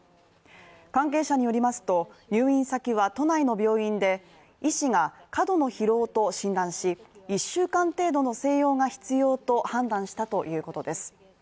関係者によりますと、入院先は都内の病院で医師が過度の疲労と診断し、１週間程度の静養が必要と判断したということです。